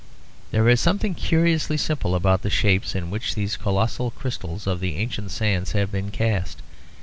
There is something curiously simple about the shape in which these colossal crystals of the ancient sands have been cast.